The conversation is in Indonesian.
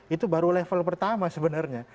itu baru level pertama sebenarnya